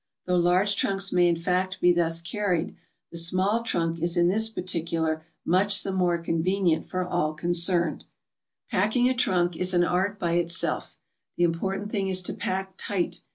Though large trunks may in fact be thus carried, the small trunk is in this particular much the more con venient for all concerned. Packing a trunk is an art by itself. The important thing is to pack tight.